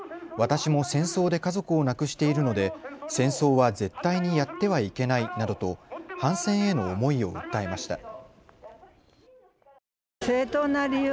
私も戦争で家族を亡くしているので戦争は絶対にやってはいけないなどと反戦への思いを訴えました。